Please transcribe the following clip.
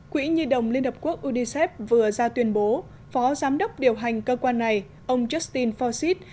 quỹ nhi đồng liên hợp quốc unicef vừa ra tuyên bố phó giám đốc điều hành cơ quan này ông justin foxit